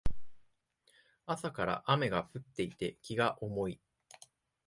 朝から雨が降っていて気が重い